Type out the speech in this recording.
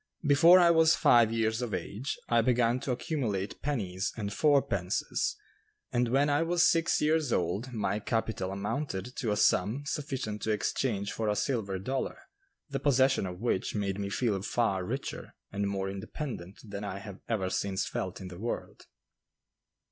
Before I was five years of age, I began to accumulate pennies and "four pences," and when I was six years old my capital amounted to a sum sufficient to exchange for a silver dollar, the possession of which made me feel far richer and more independent than I have ever since felt in the world.